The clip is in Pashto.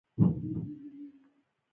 نوې غونډه نوي اهداف ټاکي